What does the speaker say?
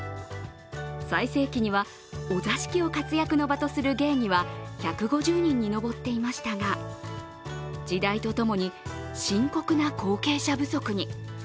最盛期には、お座敷を活躍の場とする芸妓は１５０人に上っていましたが時代と共に深刻な後継者不足に。